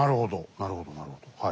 なるほどなるほどはい。